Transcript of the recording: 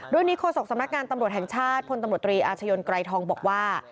นี้โฆษกสำนักงานตำรวจแห่งชาติพลตำรวจตรีอาชญนไกรทองบอกว่า